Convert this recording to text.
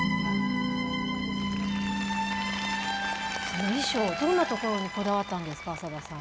その衣装、どんなところにこだわったんですか？